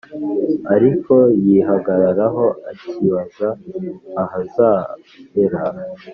ariko yihagararaho akibaza ahazahera